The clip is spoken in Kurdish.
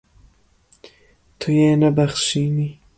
Tu yê nebexşînî.